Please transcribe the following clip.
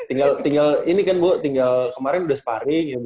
iya kan tinggal ini kan bu tinggal kemarin udah sparring ya bu